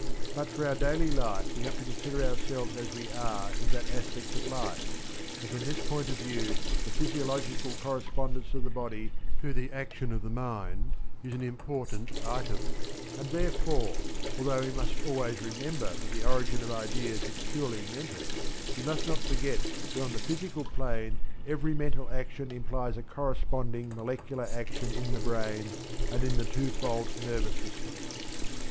But for our daily life we have to consider ourselves as we are in that aspect of life, and from this point of view the physiological correspondence of the body to the action of the mind is an important item; and therefore, although we must always remember that the origin of ideas is purely mental, we must not forget that on the physical plane every mental action implies a corresponding molecular action in the brain and in the two fold nervous system.